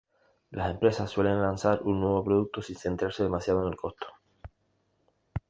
Las empresas suelen lanzar un nuevo producto sin centrarse demasiado en el costo.